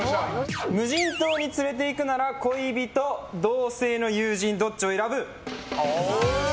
無人島に連れていくなら恋人、同性の友人どっちを選ぶ？